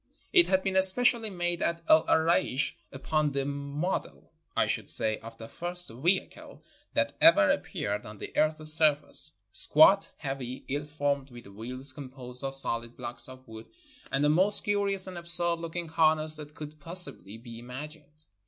It had been especially made at El Araish upon the model, I should say, of the first vehicle that ever ap peared on the earth's surface; squat, heavy, ill formed, with wheels composed of solid blocks of wood, and the most curious and absurd looking harness that could pos sibly be imagined.